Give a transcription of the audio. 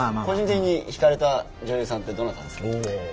個人的に惹かれた女優さんってどなたなんですか？